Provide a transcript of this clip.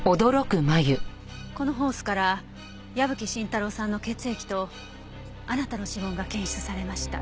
このホースから矢吹伸太郎さんの血液とあなたの指紋が検出されました。